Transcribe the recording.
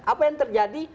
apa yang terjadi